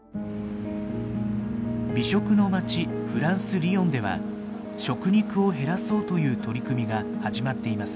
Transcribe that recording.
美食の街フランス・リヨンでは食肉を減らそうという取り組みが始まっています。